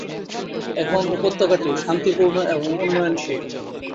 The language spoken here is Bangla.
এখন উপত্যকাটি শান্তিপূর্ণ এবং উন্নয়নশীল।